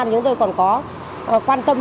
chúng tôi còn có quan tâm